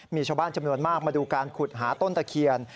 มีชาวบ้านจำนวนมากมาดูการขุดหาต้นตะเคียน